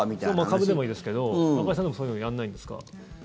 株でもいいですけど中居さん、そういうのやらないんですか？